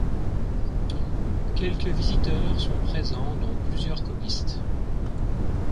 Quelques visiteurs sont présents, dont plusieurs copistes.